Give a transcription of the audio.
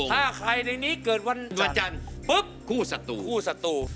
ถ้าใครในนี้เกิดวันจันทร์คู่ศัตรู